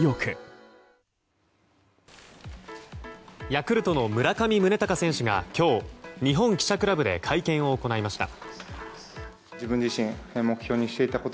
ヤクルトの村上宗隆選手が今日、日本記者クラブで会見を行いました。